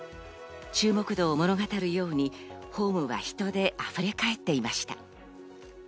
注目度を物語るようにホームは人であふれかえっていました。